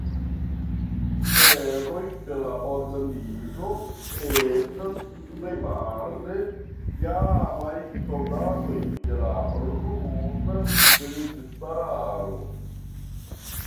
Membroj de la organizo estas plejparte iamaj soldatoj de la rusa militistaro.